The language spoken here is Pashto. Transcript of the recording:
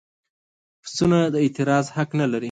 پسونه د اعتراض حق نه لري.